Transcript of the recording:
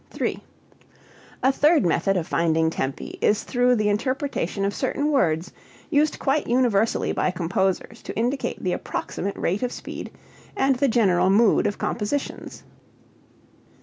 3. A third method of finding tempi is through the interpretation of certain words used quite universally by composers to indicate the approximate rate of speed and the general mood of compositions.